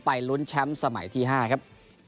ลุ้นแชมป์สมัยที่๕ครับ